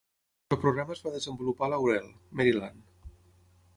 El programa es va desenvolupar a Laurel, Maryland.